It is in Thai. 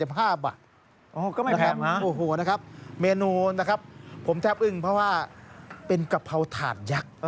ก็ไม่แพงนะโอ้โหนะครับเมนูนะครับผมแทบอึ้งเพราะว่าเป็นกะเพราถาดยักษ์